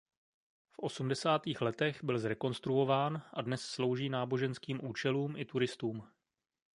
V osmdesátých letech byl zrekonstruován a dnes slouží náboženským účelům i turistům.